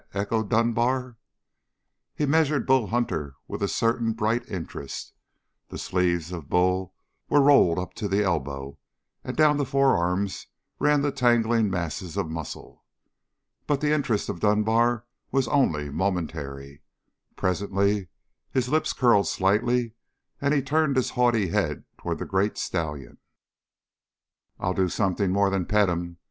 echoed Dunbar. He measured Bull Hunter with a certain bright interest. The sleeves of Bull were rolled up to the elbows and down the forearms ran the tangling masses of muscle. But the interest of Dunbar was only monetary. Presently his lip curled slightly, and he turned his haughty head toward the great stallion. "I'll do something more than pet him.